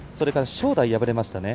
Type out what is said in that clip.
正代が敗れましたね。